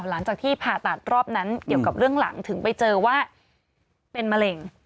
หลังจากที่ผ่าตัดรอบนั้นเกี่ยวกับเรื่องหลังถึงไปเจอว่าเป็นมะเร็ง